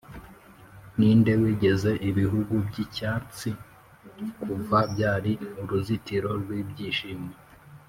ninde wigeze, ibihugu byicyatsi kuva, byari uruzitiro rwibyishimo.